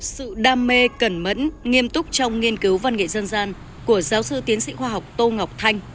sự đam mê cẩn mẫn nghiêm túc trong nghiên cứu văn nghệ dân gian của giáo sư tiến sĩ khoa học tô ngọc thanh